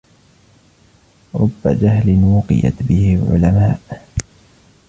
رُبَّ جَهْلٍ وُقِيَتْ بِهِ عُلَمَاءُ